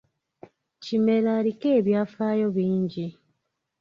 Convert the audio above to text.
Kimera aliko ebyafaayo bingi.